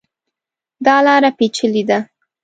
دا لاره پېچلې ده.